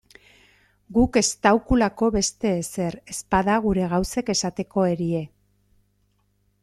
Guk estaukulako beste ezer, ezpada gure gauzek esateko erie.